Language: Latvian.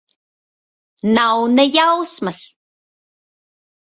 Nav ne jausmas.